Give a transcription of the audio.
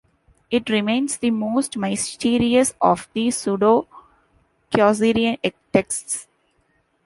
It remains the most mysterious of the pseudo-Chaucerian texts.